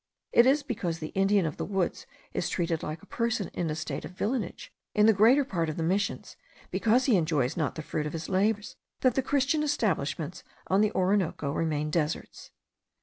It is because the Indian of the woods is treated like a person in a state of villanage in the greater part of the Missions, because he enjoys not the fruit of his labours, that the Christian establishments on the Orinoco remain deserts.